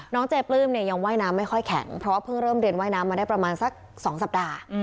เจปลื้มเนี่ยยังว่ายน้ำไม่ค่อยแข็งเพราะว่าเพิ่งเริ่มเรียนว่ายน้ำมาได้ประมาณสัก๒สัปดาห์